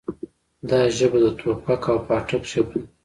دا ژبه د ټوپک او پاټک ژبه ده.